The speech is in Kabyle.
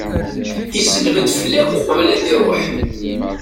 Isellem-d fell-ak uqbel ad iruḥ.